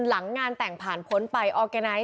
หลังงานแต่งผ่านพ้นไปออร์แกไนท